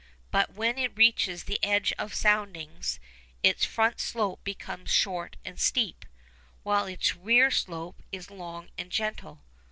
But when it reaches the edge of soundings its front slope becomes short and steep, while its rear slope is long and gentle.